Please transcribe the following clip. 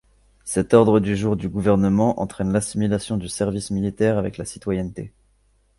Cet ordre du jour du gouvernement entraîne l'assimilation du service militaire avec la citoyenneté.